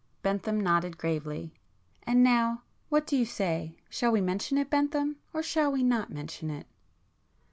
Bentham nodded gravely. "And now what do you say—shall we mention it Bentham?—or shall we not mention it?"